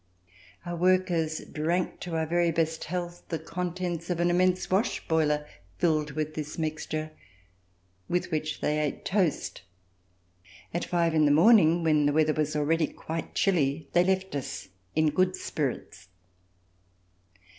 Our workers drank to our very best health the contents of an immense wash boiler filled with this mixture, with which they ate toast. At five o'clock in the morning, when the weather was already quite chilly, they left us in good spirits.